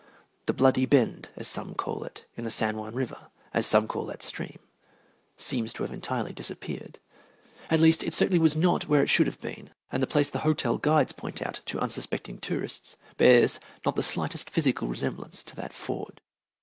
The Bloody Bend, as some call it, in the San Juan River, as some call that stream, seems to have entirely disappeared. At least, it certainly was not where it should have been, and the place the hotel guides point out to unsuspecting tourists bears not the slightest physical resemblance to that ford.